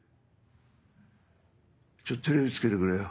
ちょっとテレビつけてくれよ。